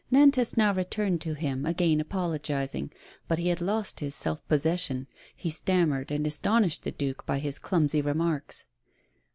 Nantas now returned to him, again apologizing. But he had lost his self possession, he stammered, and astonished the duke by his clumsy remarks.